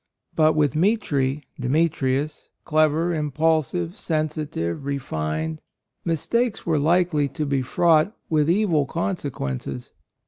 But with Mitri (Demetrius)— clever, impulsive, sensitive, re fined — mistakes were likely to be fraught with evil conse quences.